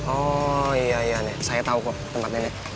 oh iya iya nek saya tahu kok tempatnya nek